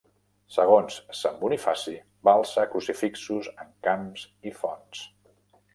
Segons Sant Bonifaci, va alçar crucifixos en camps i fonts.